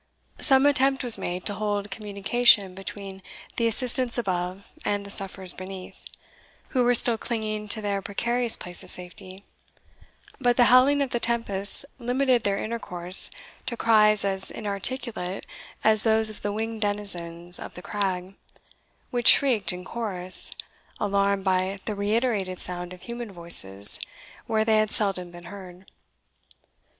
Some attempt was made to hold communication between the assistants above and the sufferers beneath, who were still clinging to their precarious place of safety; but the howling of the tempest limited their intercourse to cries as inarticulate as those of the winged denizens of the crag, which shrieked in chorus, alarmed by the reiterated sound of human voices, where they had seldom been heard.